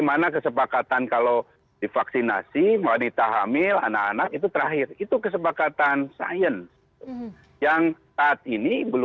menurut pak dede